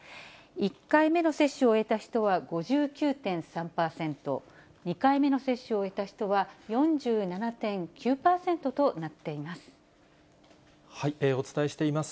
１回目の接種を終えた人は５９．３％、２回目の接種を終えた人は４７．９％となっています。